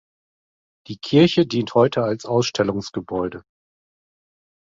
Die Kirche dient heute als Ausstellungsgebäude.